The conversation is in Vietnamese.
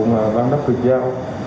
mà bang đốc được giao